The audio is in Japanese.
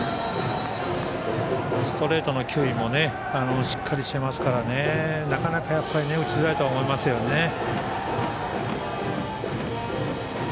ストレートの球威もしっかりしていますからなかなか打ちづらいとは思いますよね。